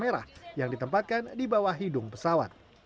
merah yang ditempatkan di bawah hidung pesawat